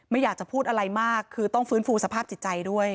อยากจะพูดอะไรมากคือต้องฟื้นฟูสภาพจิตใจด้วย